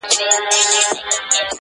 ته به وایې نې خپلوان نه یې سیالان دي,